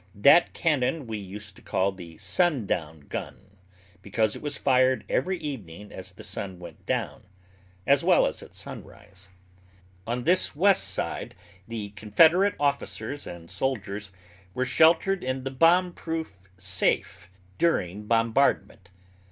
That cannon we used to call the "Sundown Gun," because it was fired every evening as the sun went down, as well as at sunrise. On this west side the Confederate officers and soldiers were sheltered in the bomb proof safe during bombardment.